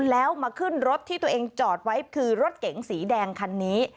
แล้วมาขึ้นรถที่ตัวเองจอดไว้คือรถเก๋งสีแดงคันนี้